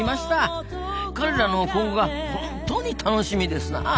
彼らの今後が本当に楽しみですな！